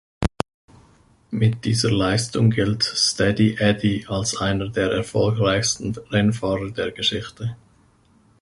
Mit dieser Leistung gilt „Steady Eddie“ als einer der erfolgreichsten Rennfahrer der Geschichte.